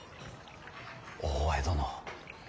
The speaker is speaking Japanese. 大江殿。